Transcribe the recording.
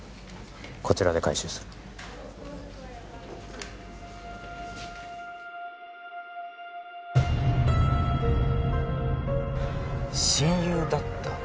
こちらで回収する親友だった？